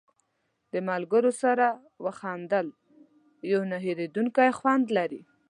د ملګرو سره وخندل یو نه هېرېدونکی خوند لري.